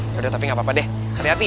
yaudah tapi gapapa deh hati hati ya